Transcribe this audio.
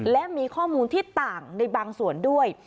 และมีข้อมูลที่ต่างในบางส่วนด้วย